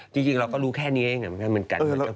จริงเราก็รู้แค่นี้เองเหมือนกัน